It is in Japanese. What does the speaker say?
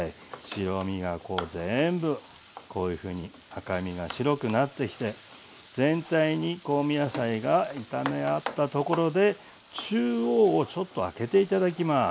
白身がこう全部こういうふうに赤身が白くなってきて全体に香味野菜が炒め合ったところで中央をちょっとあけて頂きます。